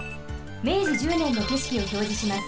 明治１０ねんのけしきをひょうじします。